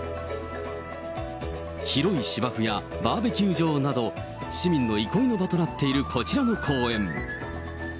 広い芝生やバーベキュー場など、市民の憩いの場となっているこちらの公園。